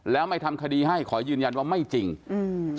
แล้วไม่ทำคดีให้ขอยืนยันว่าไม่จริงอืม